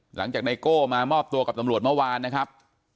ไนโก้มามอบตัวกับตำรวจเมื่อวานนะครับ